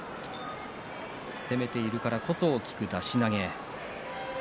攻めているからこそ効く出し投げ。